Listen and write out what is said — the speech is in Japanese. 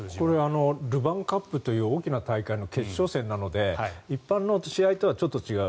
ルヴァンカップという大きな大会の決勝戦なので一般の試合とはちょっと違う。